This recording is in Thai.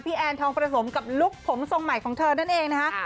แอนทองประสมกับลุคผมทรงใหม่ของเธอนั่นเองนะคะ